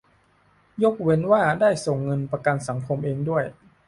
ยกเว้นว่าได้ส่งเงินประกันสังคมเองด้วย